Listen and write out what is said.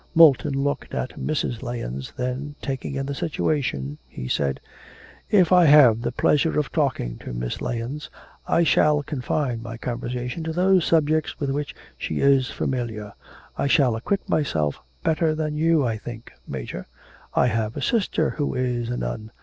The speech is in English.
Moulton looked at Mrs. Lahens, then taking in the situation, he said: 'If I have the pleasure of talking to Miss Lahens I shall confine my conversation to those subjects with which she is familiar. I shall acquit myself better than you, I think, Major; I have a sister who is a nun.